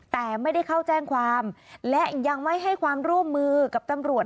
แต่ไม่ได้เข้าแจ้งความและยังไม่ให้ความร่วมมือกับตำรวจ